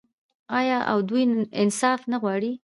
آیا او دوی انصاف نه غواړي؟